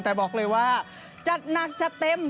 แต่บอกเลยว่าจัดหนักจัดเต็ม